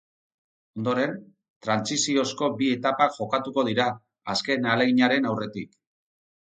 Ondoren trantsiziozko bi etapa jokatuko dira, azken ahaleginaren aurretik.